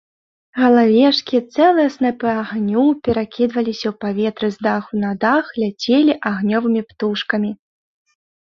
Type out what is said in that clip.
Галавешкі, цэлыя снапы агню перакідваліся ў паветры з даху на дах, ляцелі агнёвымі птушкамі.